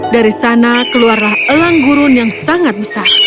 dari sana keluarlah elang gurun yang sangat besar